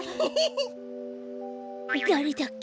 だれだっけ？